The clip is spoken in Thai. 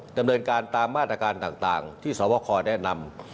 ดำเนินการตามมาตรการต่างที่สวคอแนะนำ